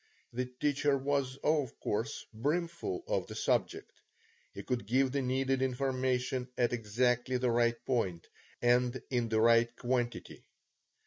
The teacher was of course brimful of the subject. He could give the needed information at exactly the right point, and in the right quantity.